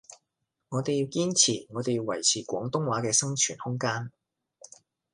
我哋要堅持，我哋要維持廣東話嘅生存空間